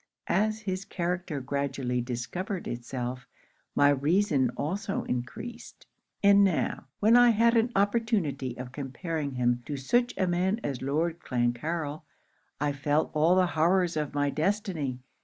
As his character gradually discovered itself, my reason also encreased; and now, when I had an opportunity of comparing him to such a man as Lord Clancarryl, I felt all the horrors of my destiny!